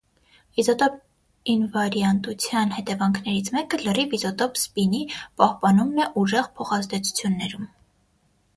Իզոտոպ ինվարիանտության հետևանքներից մեկը լրիվ իզոտոպ սպինի պահպանումն է ուժեղ փոխազդեցություններում։